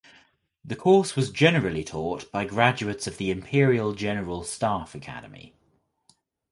The course was generally taught by graduates of the Imperial General Staff Academy.